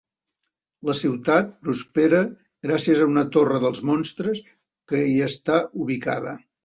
La ciutat prospera gràcies a una Torre dels Monstres que hi està ubicada.